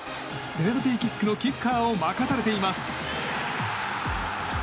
ペナルティーキックのキッカーを任されています。